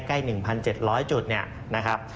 ใกล้๑๗๐๐จุดนะครับ